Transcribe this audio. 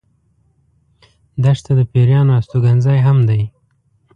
دښته د پېرانو استوګن ځای هم دی.